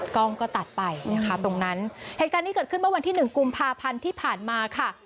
กล้องก็ตัดไปนะคะตรงนั้นเหตุการณ์ที่เกิดขึ้นเมื่อวันที่หนึ่งกุมภาพันธ์ที่ผ่านมาค่ะ